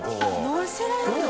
のせられるの？